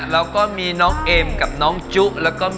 และมี้องเอ็มกับน้องจุ๊และคุณซุป